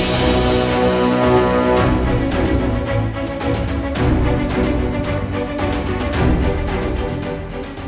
dan melepaskan andin